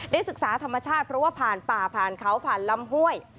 ศึกษาธรรมชาติเพราะว่าผ่านป่าผ่านเขาผ่านลำห้วย